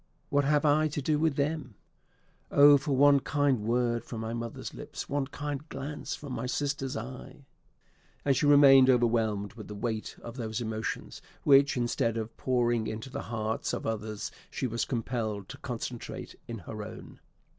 "What have I to do with them? Oh for one kind word from my mother's lips! one kind glance from my sister's eye!" And she remained overwhelmed with the weight of those emotions, which, instead of pouring into the hearts of others, she was compelled to concentrate in her own.